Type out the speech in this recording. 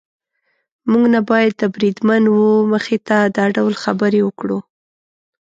موږ نه باید د بریدمن وه مخې ته دا ډول خبرې وکړو.